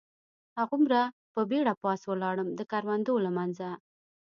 هغومره په بېړه پاس ولاړم، د کروندو له منځه.